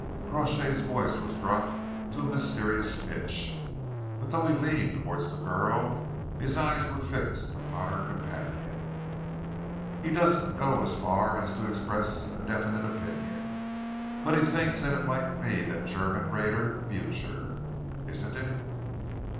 Crawshay's voice was dropped to a mysterious pitch, but though he leaned towards the girl, his eyes were fixed upon her companion. "He doesn't go as far as to express a definite opinion, but he thinks that it might be that German raider the Blucher, isn't it?